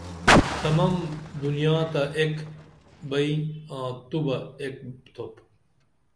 تمم دنیا تہ ایک بئیں آں تو بہ ایک تُھوپ